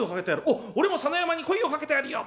「おっ俺も佐野山に声をかけてやるよ」。